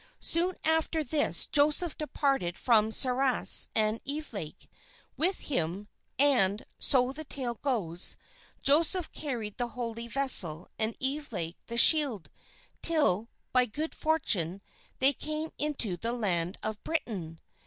"Soon after this Joseph departed from Sarras and Evelake with him; and, so the tale goes, Joseph carried the holy vessel and Evelake the shield, till, by good fortune, they came into the land of Britain.